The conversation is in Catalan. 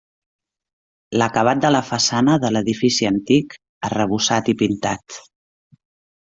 L'acabat de la façana de l'edifici antic, arrebossat i pintat.